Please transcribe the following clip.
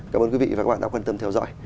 cảm ơn quý vị và các bạn đã quan tâm theo dõi